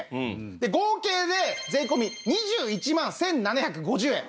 で合計で税込２１万１７５０円。